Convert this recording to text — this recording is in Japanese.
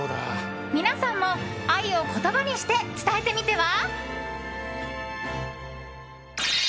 皆さんも愛を言葉にして伝えてみては？